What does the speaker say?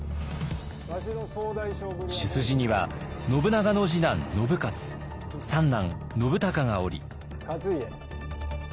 主筋には信長の次男信雄三男信孝がおり。